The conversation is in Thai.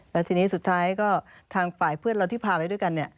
แล้วทีนี้สุดท้ายก็ทางฝ่ายเพื่อนเราที่พาไปด้วยกันเนี่ย